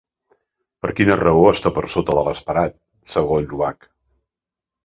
Per quina raó està per sota de l'esperat, segons Ubach?